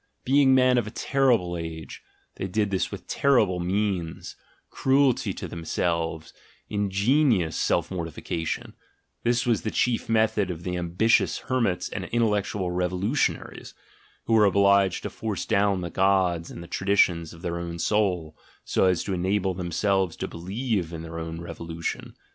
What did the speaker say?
Being men of a terrible age, they did this with terrible means: cruelty to themselves, ingenious self mortification — this was the chief method of these ambi tious hermits and intellectual revolutionaries, who were obliged to force down the gods and the traditions of their own soul, so as to enable themselves to believe in their own revolution.